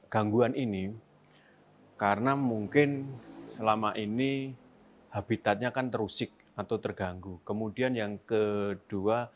gangguan ini karena mungkin selama ini habitatnya kan terusik atau terganggu kemudian yang kedua